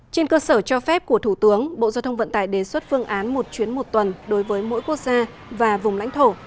trên cơ sở cho phép của thủ tướng bộ giao thông vận tải đề xuất phương án một chuyến một tuần đối với mỗi quốc gia và vùng lãnh thổ